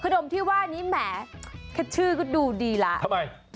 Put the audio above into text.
ดมที่ว่านี้แหมแค่ชื่อก็ดูดีแล้วทำไม